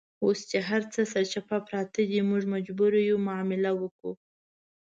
اوس چې هرڅه سرچپه پراته دي، موږ مجبور یو معامله وکړو.